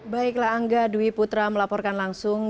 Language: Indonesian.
baiklah angga dwi putra melaporkan langsung